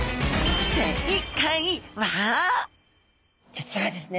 実はですね